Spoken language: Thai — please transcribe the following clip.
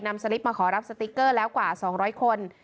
สลิปมาขอรับสติ๊กเกอร์แล้วกว่า๒๐๐คน